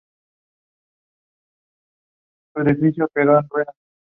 El desarrollo del núcleo de Linus Torvalds llenó ese último hueco.